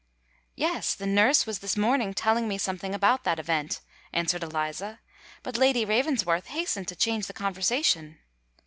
"Yes: the nurse was this morning telling me something about that event," answered Eliza; "but Lady Ravensworth hastened to change the conversation."